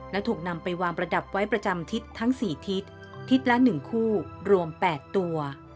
และถูกนำไปวางประดับไว้ประจำทิศทั้ง๔ทิศทิศละ๑คู่รวม๘ตัว